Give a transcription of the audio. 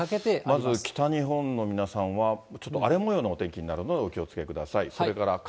まず北日本の皆さんは、ちょっと荒れもようのお天気になるので、お気をつけください。